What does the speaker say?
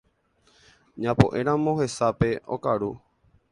Ñapo'ẽramo hesápe okaru